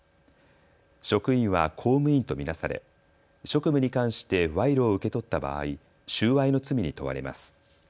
職員は公務員と見なされ職務に関して賄賂を受け取った場合、収賄の罪に問われます。